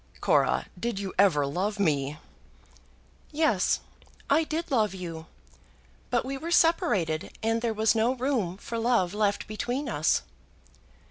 "Cora; did you ever love me?" "Yes; I did love you. But we were separated, and there was no room for love left between us."